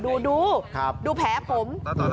ดูดูแผลผม